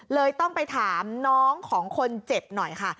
เลยต้องไปถามน้องของคนเจ็บหน่อยค่ะ